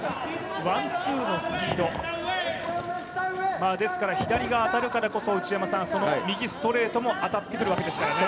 ワン・ツーのスピード左が当たるからこそ右ストレートも当たってくるわけですからね。